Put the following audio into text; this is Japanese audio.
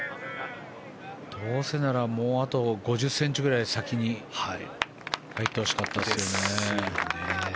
どうせならもうあと５０ｃｍくらい先に入ってほしかったですね。